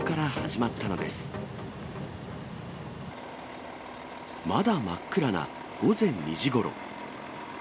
まだ真っ暗な午前２時ごろ。